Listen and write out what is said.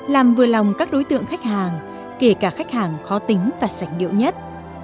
làm vừa lòng các đối tượng khách hàng kể cả khách hàng khó tính và sạch điệu nhất